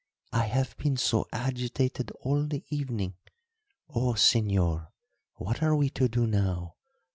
"I have been so agitated all the evening! Oh, señor, what are we to do now?